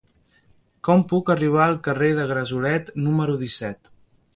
Com puc arribar al carrer de Gresolet número disset?